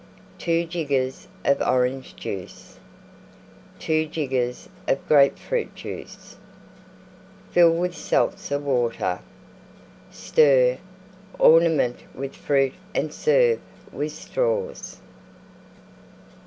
2 jiggers of Orange Juice. 2 jiggers of Grape Fruit Juice. Fill with Seltzer Water. Stir; ornament with Fruit and serve with Straws.